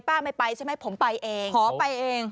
ป้าไม่ไปใช่ไหมผมไปเอง